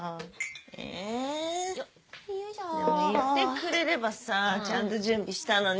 え言ってくれればさちゃんと準備したのに。